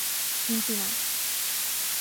কিন্তু না।